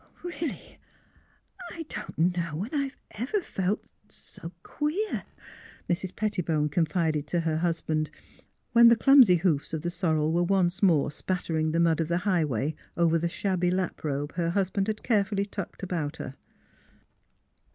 '' Really, I don't know when I've ever felt so — queer," Mrs. Pettibone confided to her husband, when the clumsy hoofs of the sorrel were once more spattering the mud of the highway over the shabby lap robe her husband had carefully tucked about her.